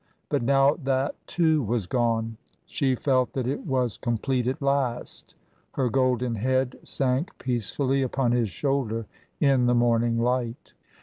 But now that too was gone. She felt that it was complete at last. Her golden head sank peacefully upon his shoulder in the morning light.